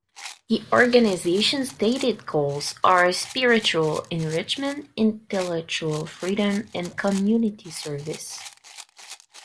The organization stated goals are spiritual enrichment, intellectual freedom, and community service.